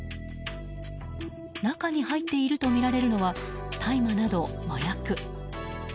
中に入っているとみられるのは大麻など、麻薬。